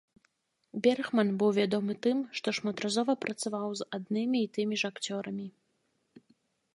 Бергман быў вядомы тым, што шматразова працаваў з аднымі і тымі ж акцёрамі.